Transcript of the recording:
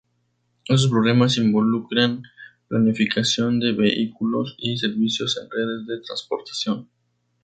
Estos problemas involucran planificación de vehículos y servicios en redes de transportación.